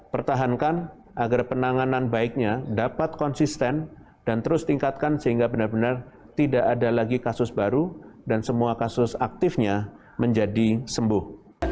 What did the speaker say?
pertahankan agar penanganan baiknya dapat konsisten dan terus tingkatkan sehingga benar benar tidak ada lagi kasus baru dan semua kasus aktifnya menjadi sembuh